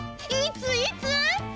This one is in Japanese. いついつ？